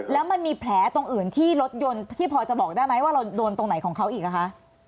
แล้วมันมีแผลตรงอื่นที่รถยนต์ที่พอจะบอกได้ไหมว่าเราโดนตรงไหนของเขาอีกอ่ะคะ